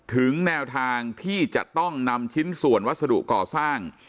ถึงแนวทางที่จะต้องนำชิ้นส่วนวัสดุก่อสร้าง